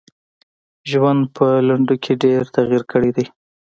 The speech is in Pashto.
ژوند په لنډو کي ډېر تغیر کړی دی .